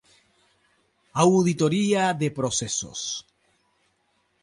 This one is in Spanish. Auditoría de procesos.